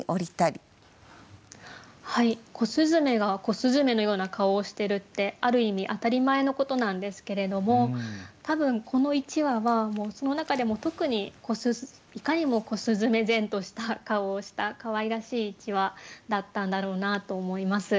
すずめのような顔をしてるってある意味当たり前のことなんですけれども多分この１羽はその中でも特にいかにもこすずめ然とした顔をしたかわいらしい１羽だったんだろうなと思います。